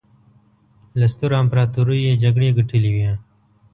له سترو امپراطوریو یې جګړې ګټلې وې.